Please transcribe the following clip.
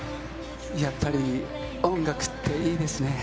やっぱり、音楽っていいですね。